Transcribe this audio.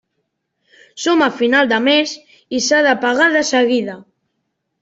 Som a final de mes i s'ha de pagar de seguida.